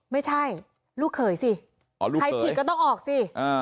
ไม่ใช่ลูกเขยสิใครผิดก็ต้องออกสิ